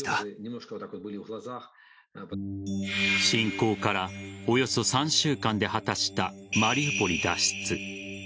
侵攻からおよそ３週間で果たしたマリウポリ脱出。